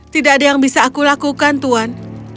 tidak ada yang bisa aku lakukan tuhan